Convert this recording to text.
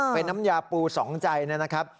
เป็นน้ำยาปูสองใจนะครับ